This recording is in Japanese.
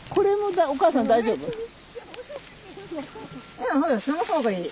うんその方がいい。